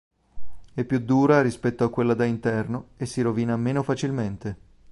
È più dura rispetto a quella da interno e si rovina meno facilmente.